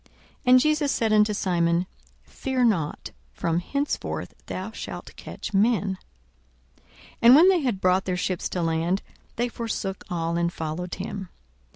And Jesus said unto Simon, Fear not; from henceforth thou shalt catch men. 42:005:011 And when they had brought their ships to land, they forsook all, and followed him.